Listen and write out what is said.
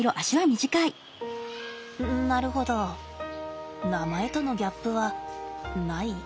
なるほど名前とのギャップはない？